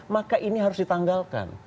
maka ini harus ditanggalkan